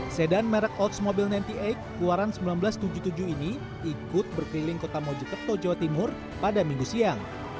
sedan merek olds mobil sembilan puluh delapan keluaran seribu sembilan ratus tujuh puluh tujuh ini ikut berkeliling kota mojokerto jawa timur pada minggu siang